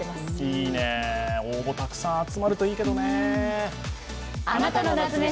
いいね、応募たくさん集まるといいけどね。